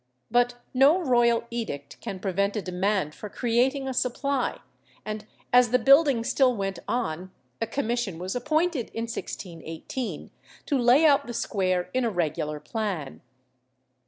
But no royal edict can prevent a demand for creating a supply, and as the building still went on, a commission was appointed in 1618 to lay out the square in a regular plan.